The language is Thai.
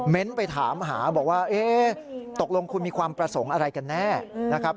ไปถามหาบอกว่าเอ๊ะตกลงคุณมีความประสงค์อะไรกันแน่นะครับ